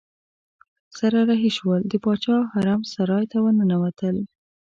سره رهي شول د باچا حرم سرای ته ورننوتل.